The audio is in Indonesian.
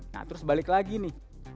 nah terus balik lagi nih